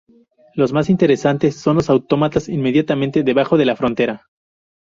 Los más interesantes son los autómatas inmediatamente debajo de la frontera.